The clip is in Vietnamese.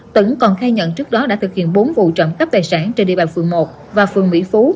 tấn còn khai nhận trước đó đã thực hiện bốn vụ trộm cắp tài sản trên địa bàn phường một và phường mỹ phú